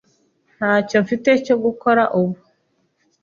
Ntacyo mfite cyo gukora ubu.